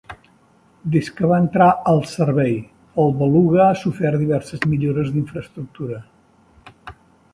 Des que va entrar al servei, El Beluga ha sofert diverses millores d'infraestructura.